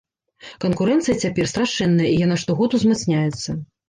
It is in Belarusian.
Канкурэнцыя цяпер страшэнная і яна штогод узмацняецца.